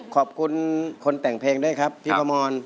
ขอบคุณคนแต่งเพลงด้วยครับพี่ประมอน